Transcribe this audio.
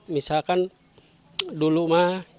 misalkan dulu malam